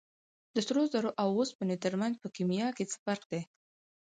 د سرو زرو او اوسپنې ترمنځ په کیمیا کې څه فرق دی